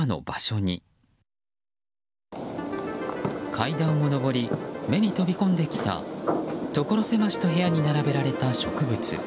階段を上り目に飛び込んできたところ狭しと部屋に並べられた植物。